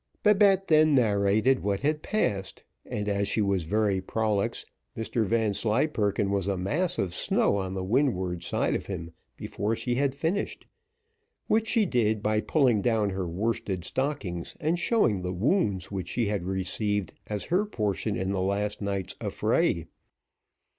Babette then narrated what had passed, and as she was very prolix, Mr Vanslyperken was a mass of snow on the windward side of him before she had finished, which she did, by pulling down her worsted stockings, and showing the wounds which she had received as her portion in the last night's affray.